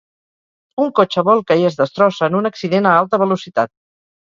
Un cotxe volca i es destrossa en un accident a alta velocitat.